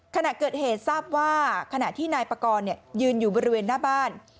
ขณะเกิดเหตุทราบว่าขณะที่นายปากรยืนอยู่บริเวณหน้าบ้าน